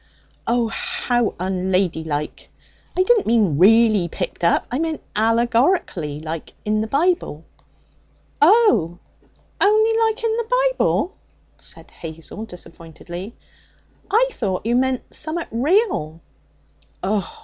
'Oh! how unladylike! I didn't mean really picked up! I meant allegorically like in the Bible.' 'Oh! only like in the Bible,' said Hazel disappointedly. 'I thought you meant summat real.' 'Oh!